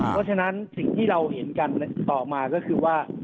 เพราะฉะนั้นสิ่งที่เรามองต่อมาคือว่า